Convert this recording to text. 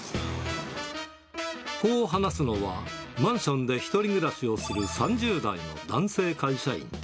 こう話すのは、マンションで１人暮らしをする３０代の男性会社員。